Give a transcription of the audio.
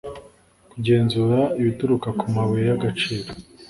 kugenzura ibituruka ku mabuye y agaciro